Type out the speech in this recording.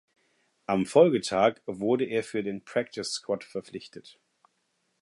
Am Folgetag wurde er für den Practice Squad verpflichtet.